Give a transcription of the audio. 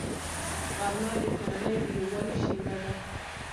غرمه د کورنۍ د یووالي شیبه ده